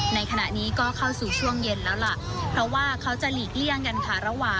ในขณะนี้ก็เข้าสู่ช่วงเย็นแล้วล่ะเพราะว่าเขาจะหลีกเลี่ยงกันค่ะระหว่าง